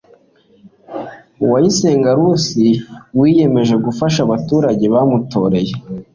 Uwayisenga Lucy wiyemeje gufasha abaturage bamutoreye